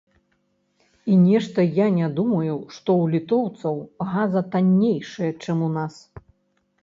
І нешта я не думаю, што ў літоўцаў газа таннейшая, чым у нас.